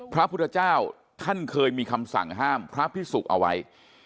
พระพุทธเจ้าท่านเคยมีคำสั่งห้ามพระพิสุกเอาไว้